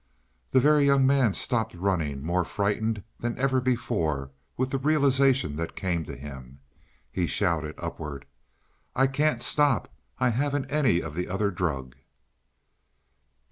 The Very Young Man stopped running, more frightened than ever before with the realization that came to him. He shouted upward: "I can't stop! I haven't any of the other drug!"